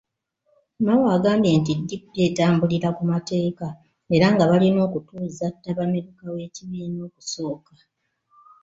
Mao agambye nti DP etambulira ku mateeka era nga baalina okutuuza ttabamiruka w'ekibiina okusooka.